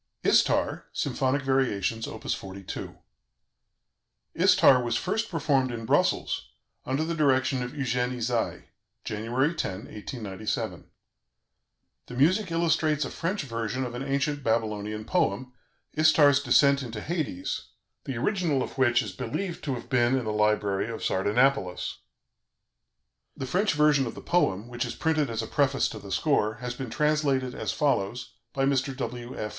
"ISTAR," SYMPHONIC VARIATIONS: Op. 42 "Istar" was first performed in Brussels, under the direction of Eugène Ysaye, January 10, 1897. The music illustrates a French version of an ancient Babylonian poem, "Istar's Descent into Hades," the original of which is believed to have been in the library of Sardanapalus. The French version of the poem, which is printed as a preface to the score, has been translated as follows by Mr. W. F.